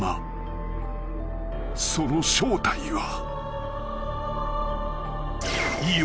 ［その正体は］